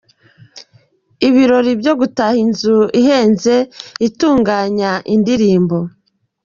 Ibirori byogutaha inzu ihenze Itunganya Indirimbo